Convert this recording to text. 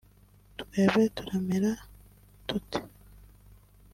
twebwe turamera dute